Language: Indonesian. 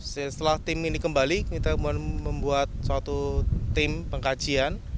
setelah tim ini kembali kita membuat suatu tim pengkajian